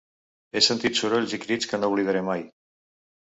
He sentit sorolls i crits que no oblidaré mai.